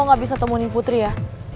oh lo gak bisa temuin putri ya